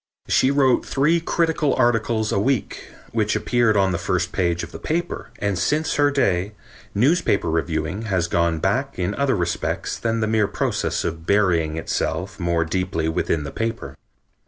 She wrote three critical articles a week, which appeared on the first page of the paper, and since her day newspaper reviewing has gone back in other respects than the mere process of burying itself more deeply within the paper.